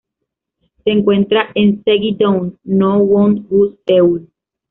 Se encuentra en Sanggye-dong, Nowon-gu, Seúl.